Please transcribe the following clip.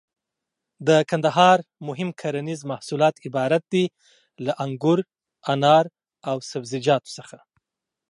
د کندهار مهم کرنيز محصولات عبارت دي له: انګور، انار او سبزيجاتو څخه.